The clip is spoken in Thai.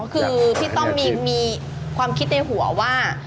คือพี่ต้องมีความคิดในหัวว่า